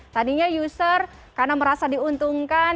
tadinya user karena merasa diuntungkan